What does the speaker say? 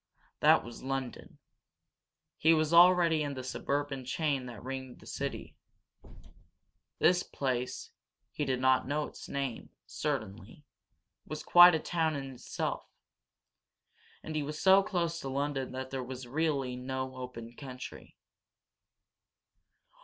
That was London. He was already in the suburban chain that ringed the great city. This place he did not know its name, certainly was quite a town in itself. And he was so close to London that there was no real open country.